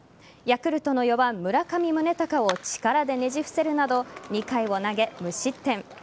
ヤクルトの４番村上宗隆を力でねじ伏せるなど２回を投げ無失点。